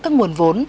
các nguồn vốn